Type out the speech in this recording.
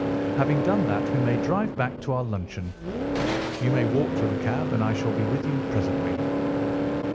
Having done that, we may drive back to our luncheon. You may walk to the cab, and I shall be with you presently."